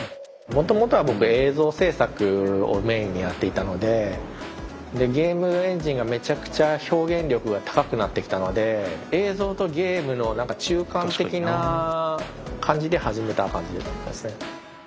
もともとは僕映像制作をメインにやっていたのででゲームエンジンがめちゃくちゃ表現力が高くなってきたので映像とゲームの何か中間的な感じで始めた感じですね。